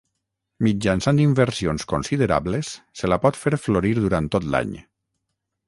Mitjançant inversions considerables se la pot fer florir durant tot l'any.